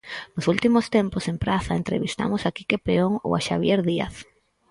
Nos últimos tempos en Praza entrevistamos a Quique Peón ou a Xabier Díaz.